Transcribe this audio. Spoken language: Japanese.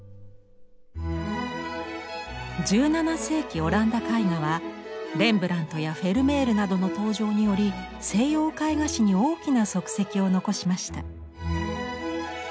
１７世紀オランダ絵画はレンブラントやフェルメールなどの登場により西洋絵画史に大きな足跡を残しました。